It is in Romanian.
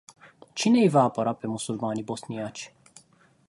Cine îi va apăra pe musulmanii bosniaci?